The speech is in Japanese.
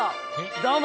どうも！